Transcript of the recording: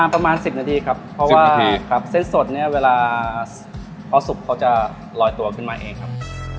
ประมาณ๑๐นาทีครับเพราะว่าเส้นสดเนี่ยเวลาพอสุกเขาจะลอยตัวขึ้นมาเองครับ